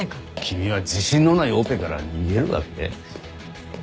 君は自信のないオペから逃げるわけ？